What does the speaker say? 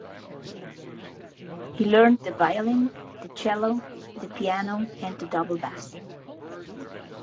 He learnt the violin, the cello, the piano and the double bass.